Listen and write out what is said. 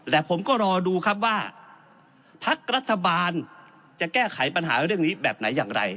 และผมก็รอดูครับว่าพักรัฐบาลจะแก้ไขปัญหาเรื่องนี้แบบไหนอย่างไร